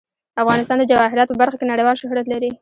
افغانستان د جواهرات په برخه کې نړیوال شهرت لري.